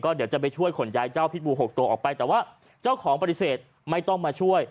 เดี๋ยวจะไปช่วยขนย้ายเจ้าพิษบู๖ตัวออกไปแต่ว่าเจ้าของปฏิเสธไม่ต้องมาช่วย